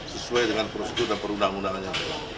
sesuai dengan prosedur dan perundang undangannya